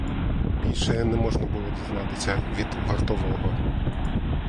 Більше не можна було дізнатися від вартового.